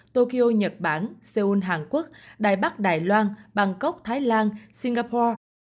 tô kiêu nhật bản seoul hàn quốc đài bắc đài loan bangkok thái lan singapore